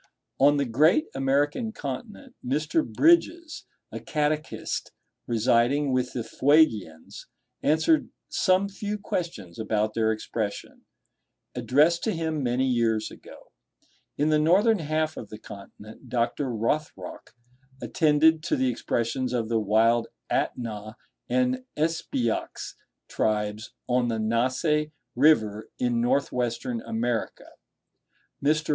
On the great American continent Mr. Bridges, a catechist residing with the Fuegians, answered some few questions about their expression, addressed to him many years ago. In the northern half of the continent Dr. Rothrock attended to the expressions of the wild Atnah and Espyox tribes on the Nasse River, in North Western America. Mr.